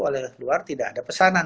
oleh luar tidak ada pesanan